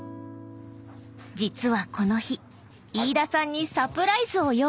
じつはこの日飯田さんにサプライズを用意していました。